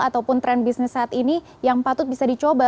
ataupun tren bisnis saat ini yang patut bisa dicoba